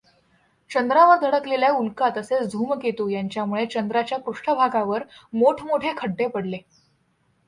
चंद्रावर धडकलेल्या उल्का तसेच धूमकेतू यांच्यामुळे चंद्राच्या पृष्ठभागावर मोठमोठे खड्डे पडले.